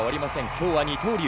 今日は二刀流。